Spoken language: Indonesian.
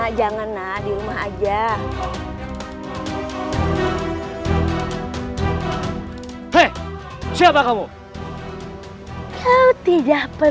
kalau kalian tidak di rawat